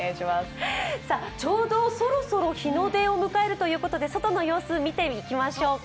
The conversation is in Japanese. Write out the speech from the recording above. ちょうどそろそろ日の出を迎えるということで外の様子見ていきましょうか。